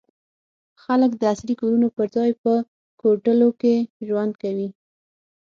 خلک د عصري کورونو پر ځای په کوډلو کې ژوند کوي.